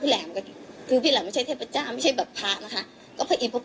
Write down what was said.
พี่แหลมก็คือพี่แหลมไม่ใช่เทพจ้าไม่ใช่แบบพระนะคะ